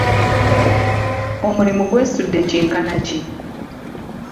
Omulimu gwesudde kyenkana ki?